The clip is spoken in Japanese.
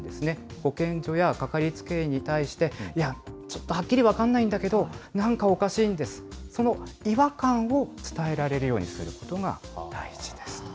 保健所やかかりつけ医に対して、いや、ちょっとはっきり分かんないんだけれども、なんかおかしいんです、その違和感を、伝えられるようにすることが大事ですと。